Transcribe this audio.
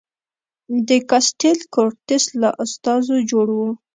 د کاسټیل کورتس له استازو جوړ و.